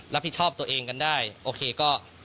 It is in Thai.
รับผิดชอบตัวเองกันได้โอเคก็